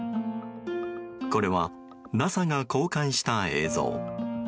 これはＮＡＳＡが公開した映像。